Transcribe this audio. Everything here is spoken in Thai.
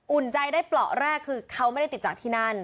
ใจได้เปราะแรกคือเขาไม่ได้ติดจากที่นั่น